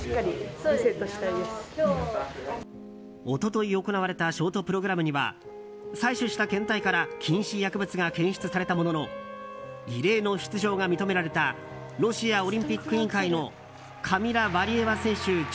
一昨日行われたショートプログラムには採取した検体から禁止薬物が検出されたものの異例の出場が認められたロシアオリンピック委員会のカミラ・ワリエワ選手